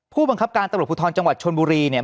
ผู้บังคับการตำรวจภูทรจังหวัดชนบุรีเนี่ย